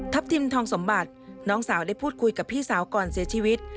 ทิมทองสมบัติน้องสาวได้พูดคุยกับพี่สาวก่อนเสียชีวิต